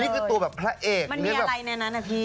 ตัวแบบพระเอกมันมีอะไรในนั้นนะพี่